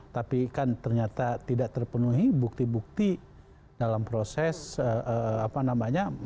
tapi kan ternyata tidak terpenuhi bukti bukti dalam proses apa namanya